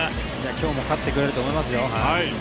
今日も勝ってくれると思いますよ。